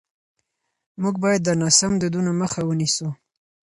موږ باید د ناسم دودونو مخه ونیسو.